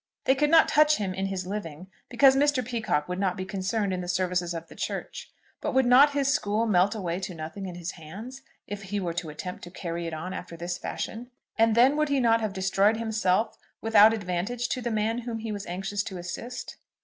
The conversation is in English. They could not touch him in his living, because Mr. Peacocke would not be concerned in the services of the church; but would not his school melt away to nothing in his hands, if he were to attempt to carry it on after this fashion? And then would he not have destroyed himself without advantage to the man whom he was anxious to assist?